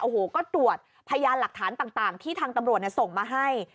โอ้โหก็ตรวจพยานหลักฐานต่างที่ทางตำรวจส่งมาให้